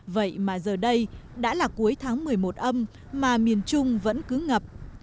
vậy mà giờ đây đã là cuối tháng một mươi một âm mà miền trung vẫn cứ ngập